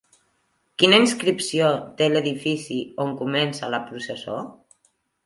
Quina inscripció té l'edifici on comença la processó?